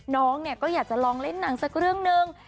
น้องเนี่ยก็อยากจะลองเล่นหนังสักเรื่องหนึ่ง